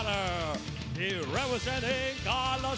ตอนนี้มวยกู้ที่๓ของรายการ